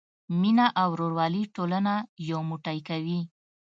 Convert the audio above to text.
مینه او ورورولي ټولنه یو موټی کوي.